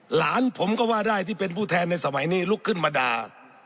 หลานผมก็ว่าได้ที่เป็นผู้แทนในสมัยนี้ลุกขึ้นมาด่า